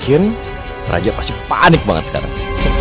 akhirnya nih raja pasti panik banget sekarang